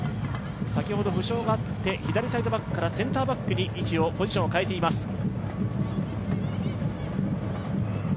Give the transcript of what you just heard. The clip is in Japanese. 先ほど負傷があって、左サイドバックからセンターバックにポジションを代えています。